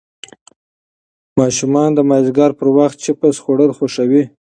ماشومان د مازدیګر پر وخت چېپس خوړل خوښوي.